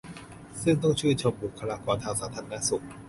ซึ่งต้องชื่นชมบุคคลากรทางสาธารณสุข